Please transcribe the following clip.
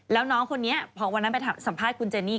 แล้วน้องคนนี้พอวันนั้นไปสัมภาษณ์คุณเจนี่